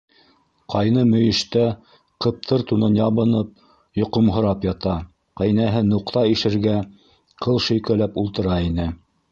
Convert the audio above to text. Ҡайны мөйөштә, ҡыптыр тунын ябынып, йоҡомһорап ята, ҡәйнәһе нуҡта ишергә ҡыл шөйкәләп ултыра ине.